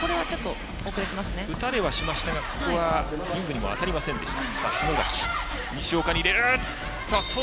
打たれはしましたがここはリングにも当たりませんでした。